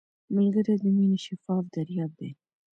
ملګری د مینې شفاف دریاب دی